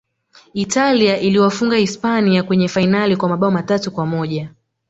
italia iliwafunga hispania kwenye fainali kwa mabao matatu kwa moja